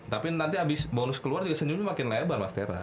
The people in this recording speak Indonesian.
tapi nanti habis bonus keluar juga senyumnya makin lebar mas tera